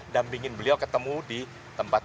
dampingin beliau ketemu di tempat